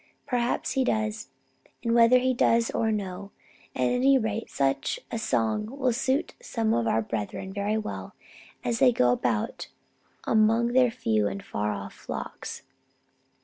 Perhaps he does. And, whether he does or no, at any rate such a song will suit some of our brethren very well as they go about among their few and far off flocks.